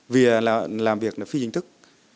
vì là làm việc là phi chính thức